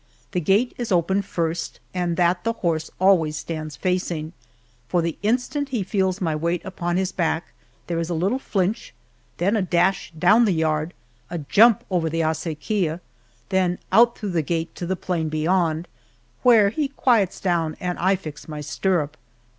The gate is opened first, and that the horse always stands facing, for the instant he feels my weight upon his back there is a little flinch, then a dash down the yard, a jump over the acequia, then out through the gate to the plain beyond, where he quiets down and I fix my stirrup.